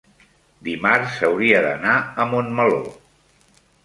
dimarts hauria d'anar a Montmeló.